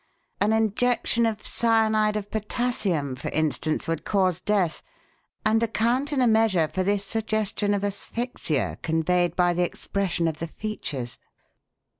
An injection of cyanide of potassium, for instance, would cause death, and account in a measure for this suggestion of asphyxia conveyed by the expression of the features."